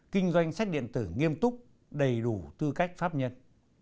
kinh doanh sách điện tử nghiêm túc đầy đủ tư cách pháp nhân